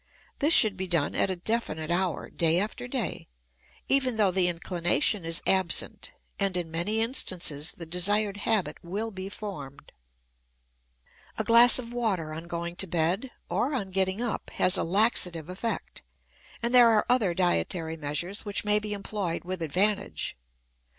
This should be done at a definite hour, day after day, even though the inclination is absent; and in many instances the desired habit will be formed. A glass of water on going to bed or on getting up has a laxative effect; and there are other dietary measures which may be employed with advantage.